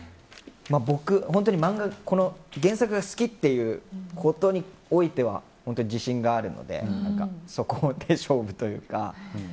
僕、本当にこの原作が好きということにおいては自信があるのでそこで勝負というか。